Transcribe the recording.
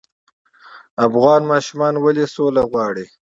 افغان ماشومان ولې سوله غواړي؟